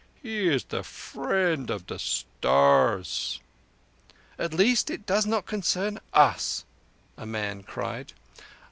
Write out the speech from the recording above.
He is the Friend of the Stars!" "At least it does not concern us," a man cried.